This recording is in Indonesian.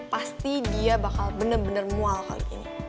pasti dia bakal bener bener mual kali ini